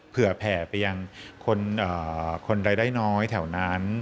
เผื่อแผ่ไปยังคนรายได้น้อยแถวนั้น